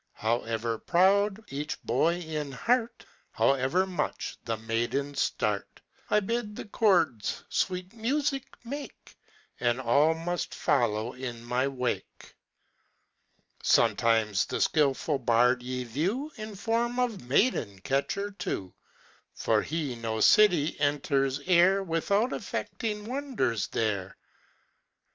However proud each boy in heart, However much the maidens start, I bid the chords sweet music make, And all must follow in my wake. Sometimes the skilful bard ye view In the form of maiden catcher too; For he no city enters e'er, Without effecting wonders there.